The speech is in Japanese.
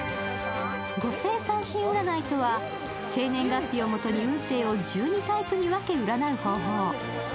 五星三心占いとは、生年月日を元に運勢を１２タイプに分け占う方法。